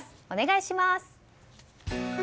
お願いします。